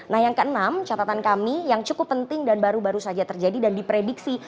nah yang keenam catatan kami yang cukup penting dan baru baru saja terjadi dan diprediksi